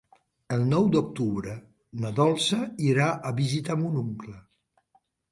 El nou d'octubre na Dolça irà a visitar mon oncle.